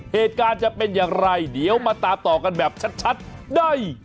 เหตุการณ์จะเป็นอย่างไรเดี๋ยวมาตามต่อกันแบบชัดได้